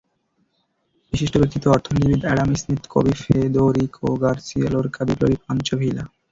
বিশিষ্ট ব্যক্তিত্ব—অর্থনীতিবিদ Adam Smith, কবি ফেদোরিকো, গার্সিয়া লোরকা, বিপ্লবী পানচো ভিলা।